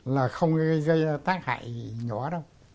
là không gây tác hại nhỏ đâu